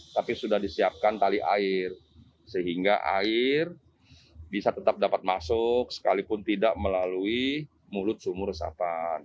tapi sudah disiapkan tali air sehingga air bisa tetap dapat masuk sekalipun tidak melalui mulut sumur resapan